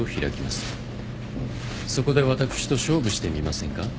そこで私と勝負してみませんか？